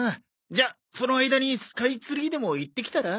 じゃあその間にスカイツリーでも行ってきたら？